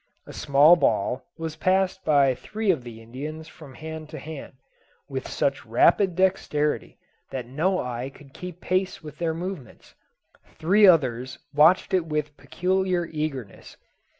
A small ball was passed by three of the Indians from hand to hand, with such rapid dexterity, that no eye could keep pace with their movements; three others watched it with peculiar eagerness.